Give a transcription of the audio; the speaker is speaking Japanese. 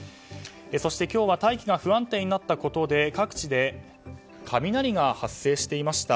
そして今日は大気が不安定になったことで各地で雷が発生していました。